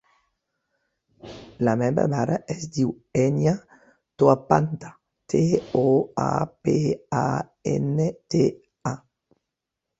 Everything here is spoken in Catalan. La meva mare es diu Ènia Toapanta: te, o, a, pe, a, ena, te, a.